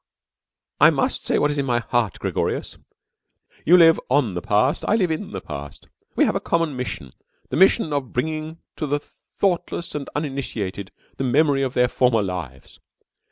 I must say what is in my heart, Gregorius. You live on the Past, I live in the Past. We have a common mission the mission of bringing to the thoughtless and uninitiated the memory of their former lives.